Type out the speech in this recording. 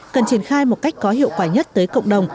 cần triển khai một cách có hiệu quả nhất tới cộng đồng